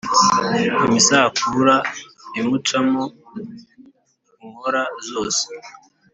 Imisakura imucamo inkora zose